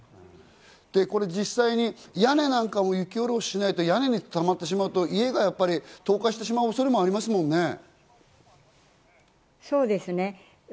これ実際に屋根なんかも雪下ろししないと屋根にたまってしまうと家が倒壊してしまう恐れがありますもんね。